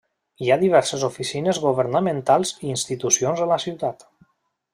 Hi ha diverses oficines governamentals i institucions a la ciutat.